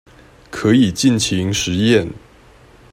可以盡情實驗